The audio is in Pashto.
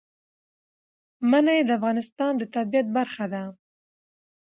منی د افغانستان د طبیعت برخه ده.